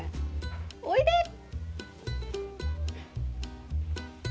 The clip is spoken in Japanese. おいでっ！